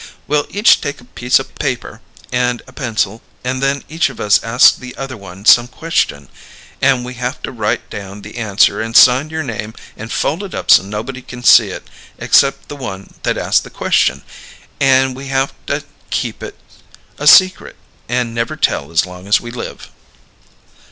We'll each take a piece o' paper and a pencil, and then each of us asks the other one some question, and we haf to write down the answer and sign your name and fold it up so nobody can see it except the one that asked the question, and we haf to keep it a secret and never tell as long as we live."